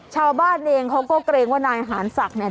ชาวบ้านเองเขาก็เกรงว่านายหารศักดิ์เนี่ย